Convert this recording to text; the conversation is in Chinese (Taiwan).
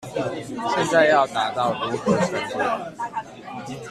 現在要達到如何程度